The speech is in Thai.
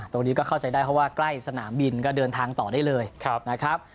ตรงนี้ก็เข้าใจได้เพราะว่าใกล้สนามบินก็เดินทางต่อได้เลยนะครับ